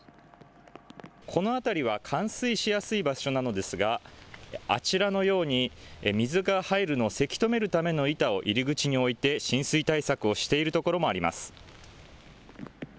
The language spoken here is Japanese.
この辺りは冠水しやすい場所なのですがあちらのように水が入るのをせき止めるための板を入り口に置いて浸水対策をしているところもあります。